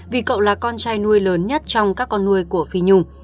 vì cậu là con trai nuôi lớn nhất trong các con nuôi của phi nhung